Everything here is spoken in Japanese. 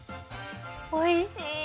おいしい！